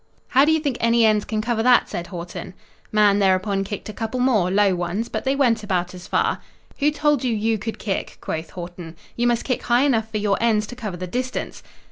"How do you think any ends can cover that?" said Haughton. Mahan thereupon kicked a couple more, low ones, but they went about as far. "Who told you you could kick?" quoth Haughton. "You must kick high enough for your ends to cover the distance."